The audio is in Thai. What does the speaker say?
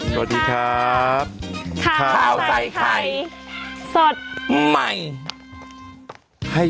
สวัสดีครับข้าวใส่ไข่สดใหม่